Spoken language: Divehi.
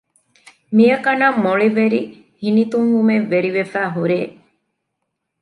މިއަކަނަށް މޮޅިވެރި ހިނިތުންވުމެއް ވެރިވެފައި ހުރޭ